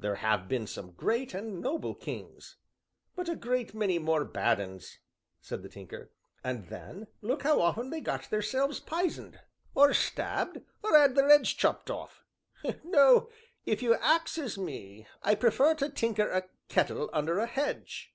"There have been some great and noble kings." "But a great many more bad 'uns!" said the Tinker. "And then, look how often they got theirselves pisoned, or stabbed, or 'ad their 'eads chopped off! No if you axes me, I prefer to tinker a kettle under a hedge."